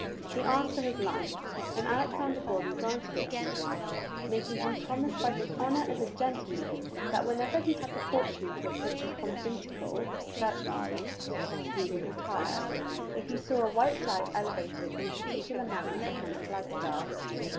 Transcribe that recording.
He asked for his life, and Alexander Gordon granted it to him, making him promise by his honor as a gentleman that whenever he had the fortune to approach a conventicle (church meeting) he would retire, if he saw a white flag elevated in a particular manner upon a flagstaff.